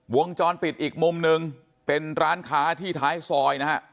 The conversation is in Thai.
วงจรปิดอีกมุมหนึ่งเป็นร้านค้าที่ท้ายซอยนะฮะ